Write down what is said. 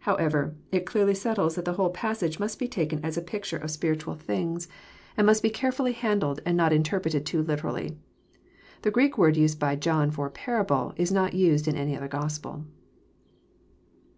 However, it clearly settles that the whole passage must be taken as a picture of spiritual 184 EXFOSITORT THOUGHTS. things, and mast be careftilly handled, and not interpreted too literally. The Greek word used by John for '' parable " is not used in any other Gospel.